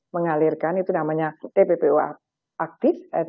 mengalirkan itu namanya tppo aktif